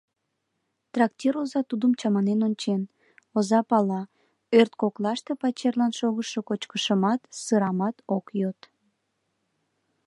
Трактир оза тудым чаманен ончен; оза пала: ӧрткоклаште пачерлан шогышо кочкышымат, сырамат ок йод.